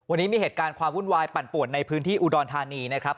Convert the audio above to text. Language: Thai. วันนี้มีเหตุการณ์ความวุ่นวายปั่นป่วนในพื้นที่อุดรธานีนะครับ